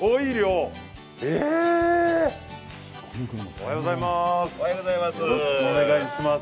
おはようございます。